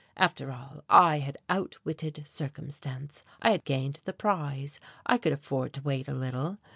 After all, I had outwitted circumstance, I had gained the prize, I could afford to wait a little.